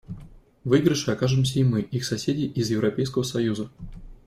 В выигрыше окажемся и мы, их соседи из Европейского союза.